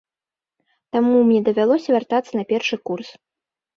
Таму мне давялося вяртацца на першы курс.